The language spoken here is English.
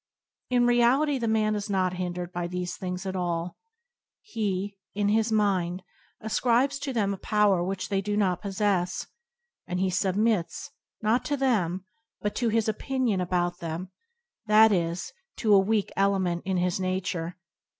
In reality the man is not hindered by these things at all. He, in his mind, ascribes to them a power which they do not possess, and he submits, not to them, but to his opinion about them, that is, to a weak ele ment in his nature.